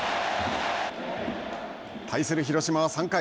対する広島は３回。